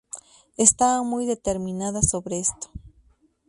Estaba muy determinada sobre esto.